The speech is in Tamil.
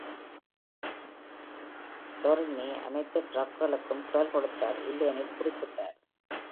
டொரினி அனைத்து டிராக்குகளுக்கும் குரல் கொடுத்தார், இல்லையெனில் குறிப்பிட்டார்.